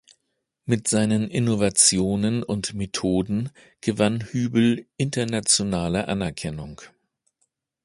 Mit seinen Innovationen und Methoden gewann Hübl internationale Anerkennung.